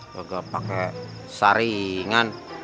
gagal pake saringan